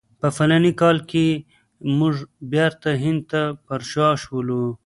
په فلاني کال کې موږ بیرته هند ته پر شا شولو.